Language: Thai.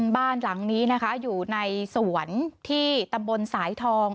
บ้านหลังนี้นะคะอยู่ในสวนที่ตำบลสายทอง